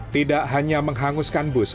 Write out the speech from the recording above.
tidak hanya menghanguskan bus